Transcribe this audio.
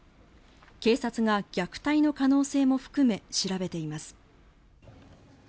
警察が虐待の可能性も含め調べています。